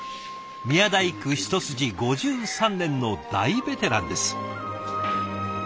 宮大工一筋５３年の大ベテランです。